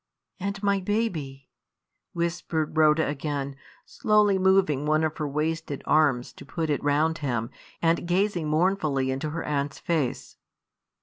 "And my baby," whispered Rhoda again, slowly moving one of her wasted arms to put it round him, and gazing mournfully into her aunt's face.